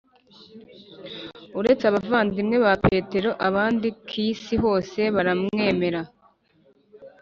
Uretse abavandimwe ba petero abandi k’ isi hose baramwemera